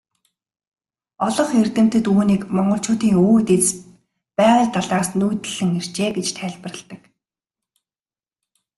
Олонх эрдэмтэд үүнийг монголчуудын өвөг дээдэс Байгал далайгаас нүүдэллэн иржээ гэж тайлбарладаг.